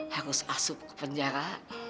harus asup ke penjara